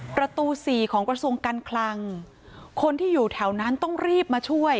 ประตูสี่ของกระทรวงการคลังคนที่อยู่แถวนั้นต้องรีบมาช่วย